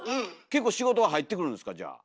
結構仕事は入ってくるんですかじゃあ。